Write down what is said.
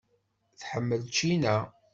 Tḥemmel ččina.